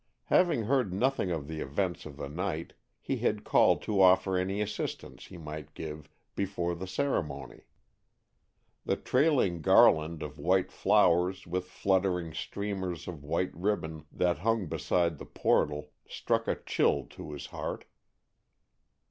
Having heard nothing of the events of the night, he had called to offer any assistance he might give before the ceremony. The trailing garland of white flowers with fluttering streamers of white ribbon that hung beside the portal struck a chill to his heart.